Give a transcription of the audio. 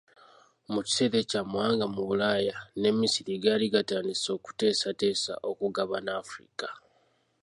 Mu kiseera ekyo amawanga mu Bulaaya ne Misiri gaali gatandise okuteesateesa okugabana Africa.